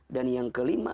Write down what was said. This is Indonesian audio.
dan yang kelima